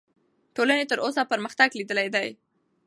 ټولنې تر اوسه پرمختګ لیدلی دی.